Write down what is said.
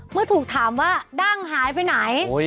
เมื่อถูกถามว่าดั้งหายไปไหน